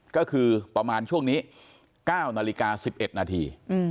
ก็คือประมาณช่วงนี้๙นาฬิกา๑๑นาที